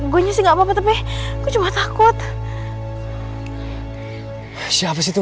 selamat tinggal kehamilan yang bikin rata rata selama ini